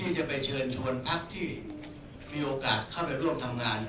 จะไปเชิญชวนพักที่มีโอกาสเข้าไปร่วมทำงาน